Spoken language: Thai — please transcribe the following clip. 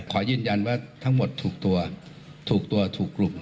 ขอยืนยันว่าทั้งหมดถูกตัวถูกตัวถูกกลุ่ม